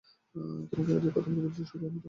তোমাকে না কতবার বলেছি শুধু আমি তোমার ডানদিকে বসব?